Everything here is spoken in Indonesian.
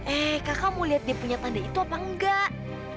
eh kakak mau lihat dia punya pandai itu apa enggak